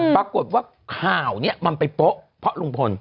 ปรากฏว่าข่าวนี้มันไปโป๊ะเพราะลุงพล